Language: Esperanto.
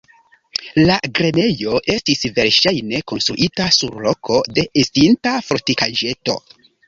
La grenejo estis verŝajne konstruita sur loko de estinta fortikaĵeto.